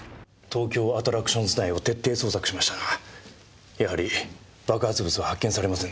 東京アトラクションズ内を徹底捜索しましたがやはり爆発物は発見されませんでした。